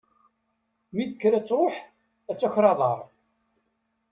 Mi tekker ad truḥ, ad taker aḍar.